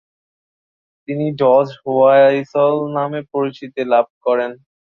তিনি ডজ হোয়াইসল নামে পরিচিতি লাভ করেন।